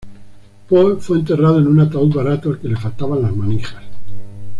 Poe fue enterrado en un ataúd barato al que le faltaban las manijas.